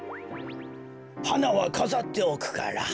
はなはかざっておくから。